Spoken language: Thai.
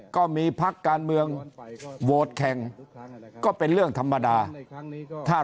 ก็มีพักการเมืองโหวตแข่งก็เป็นเรื่องธรรมดาถ้า